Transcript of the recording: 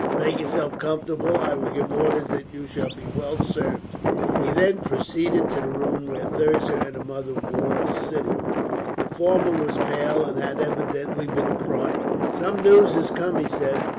Make yourself comfortable. I will give orders that you shall be well served." He then proceeded to the room where Thirza and her mother wore sitting. The former was pale, and had evidently been crying. "Some news has come," he said.